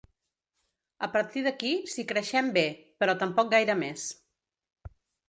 A partir d’aquí si creixem bé, però tampoc gaire més.